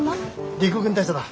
陸軍大佐だ。